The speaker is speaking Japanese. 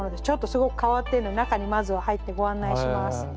ちょっとすごく変わってるので中にまずは入ってご案内します。